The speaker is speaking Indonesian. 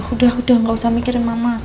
udah udah gak usah mikirin mama